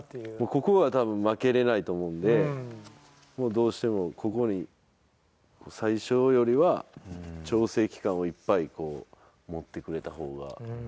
ここは多分負けられないと思うのでどうしてもここに最初よりは調整期間をいっぱい持ってくれた方が。